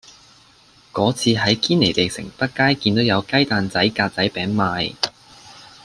嗰次喺堅尼地城北街見到有雞蛋仔格仔餅賣